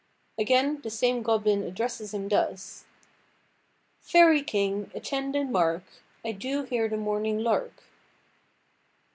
Again the same goblin addresses him thus:— "Fairy king, attend and mark, I do hear the morning lark.